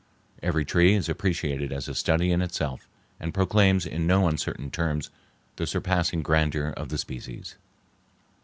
Every tree is appreciated as a study in itself and proclaims in no uncertain terms the surpassing grandeur of the species.